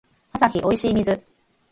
アサヒおいしい水